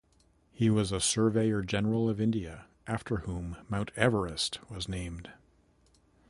He was a Surveyor-General of India, after whom Mount Everest was named.